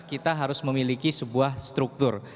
kita harus memiliki sebuah struktur